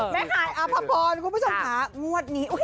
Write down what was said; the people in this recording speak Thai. แม่ขายอภพรคุณผู้ชมหางวดนี้